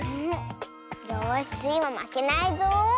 よしスイもまけないぞ。